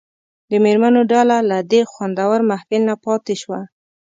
د مېرمنو ډله له دې خوندور محفل نه پاتې شوه.